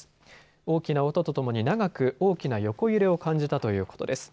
大きな音とともに長く大きな横揺れを感じたということです。